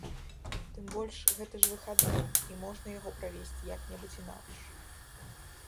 Тым больш, гэта ж выхадны, і можна яго правесці як-небудзь інакш.